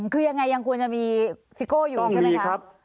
แต่ยังควรจะมีซิสโก้อยู่ใช่ไหมครับ